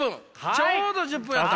ちょうど１０分やった！